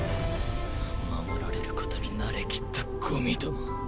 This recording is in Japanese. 守られる事に慣れきったゴミ共。